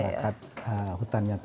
jadi masyarakat hutannya